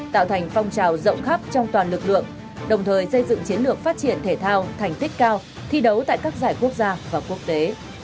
tạo thành phong trào rộng khắp trong toàn lực lượng đồng thời xây dựng chiến lược phát triển thể thao thành tích cao thi đấu tại các giải quốc gia và quốc tế